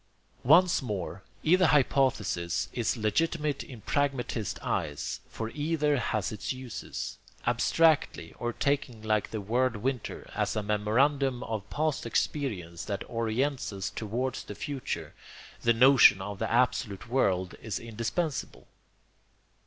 Once more, either hypothesis is legitimate in pragmatist eyes, for either has its uses. Abstractly, or taken like the word winter, as a memorandum of past experience that orients us towards the future, the notion of the absolute world is indispensable.